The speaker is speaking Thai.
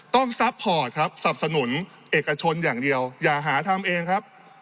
ซัพพอร์ตครับสับสนุนเอกชนอย่างเดียวอย่าหาทำเองครับ